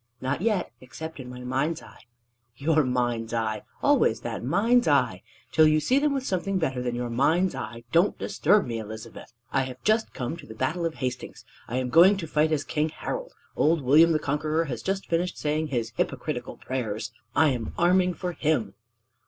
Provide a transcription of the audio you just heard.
"Not yet except in my mind's eye." "Your mind's eye! Always that mind's eye! Till you see them with something better than your mind's eye, don't disturb me, Elizabeth. I have just come to the Battle of Hastings. I am going to fight as King Harold. Old William the Conqueror has just finished saying his hypocritical prayers. I am arming for him!"